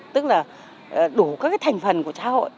tức là đủ các cái thành phần của xã hội